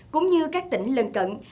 cũng như các tỉnh lần cận